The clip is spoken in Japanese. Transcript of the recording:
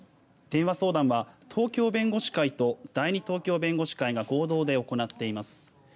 電話相談は東京弁護士会と第二東京弁護士会が合同で行っています。